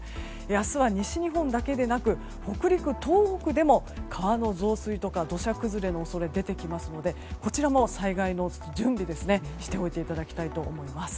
明日は西日本だけではなく北陸、東北でも川の増水や土砂崩れの恐れが出てきますのでこちらも災害の準備をしておいていただきたいと思います。